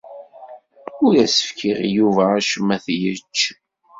Ur as-fkiɣ i Yuba acemma ad t-yečč.